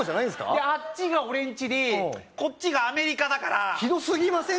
であっちが俺んちでこっちがアメリカだから広すぎません？